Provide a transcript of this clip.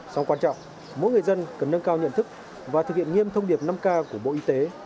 song quan trọng mỗi người dân cần nâng cao nhận thức và thực hiện nghiêm thông điệp năm k của bộ y tế